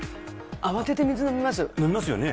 慌てて水飲みます飲みますよね？